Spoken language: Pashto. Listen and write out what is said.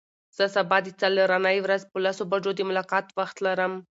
زه سبا د څلرنۍ ورځ په لسو بجو د ملاقات وخت لرم.